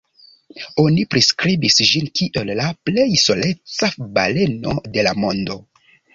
Oni priskribis ĝin kiel la "plej soleca baleno de la mondo".